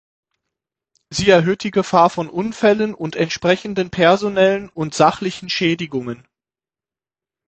Sie erhöht die Gefahr von Unfällen und entsprechenden personellen und sachlichen Schädigungen.